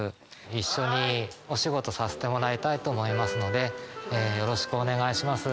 一緒にお仕事させてもらいたいと思いますのでよろしくお願いします。